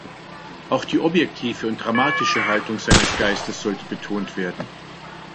Auch die objektive und dramatische Haltung seines Geistes sollte betont werden.